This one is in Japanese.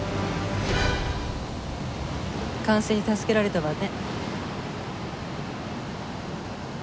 管制に助けられたわね。